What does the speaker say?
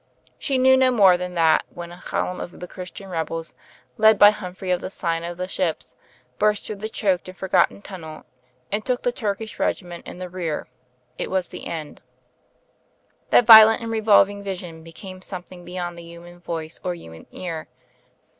She knew no more than that when a column of the Christian rebels, led by Humphrey of the Sign of the Ship, burst through the choked and forgotten tunnel and took the Turkish regiment in the rear, it was the end. That violent and revolving vision became something beyond the human voice or human ear.